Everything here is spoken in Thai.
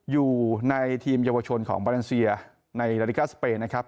อยู่ในทีมเยาวชนของมาเลเซียในนาฬิกาสเปนนะครับ